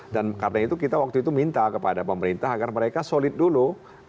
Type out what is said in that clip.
dan karena itu kita waktu itu minta kepada pemerintah agar mereka solid dulu